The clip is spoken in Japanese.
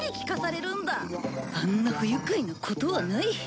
あんな不愉快なことはない。